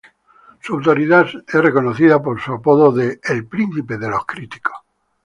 Su autoridad es reconocida por su apodo de "el príncipe de los críticos".